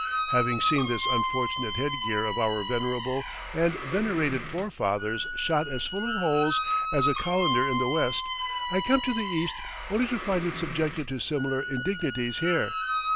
Having seen this unfortunate headgear of our venerable and venerated forefathers shot as full of holes as a colander in the West, I come to the East only to find it subjected to similar indignities here.